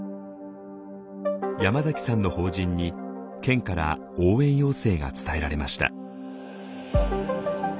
山崎さんの法人に県から応援要請が伝えられました。